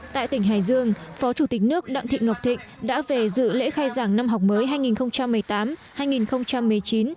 tại tỉnh hải dương phó chủ tịch nước đặng thị ngọc thịnh đã về dự lễ khai giảng năm học mới hai nghìn một mươi tám hai nghìn một mươi chín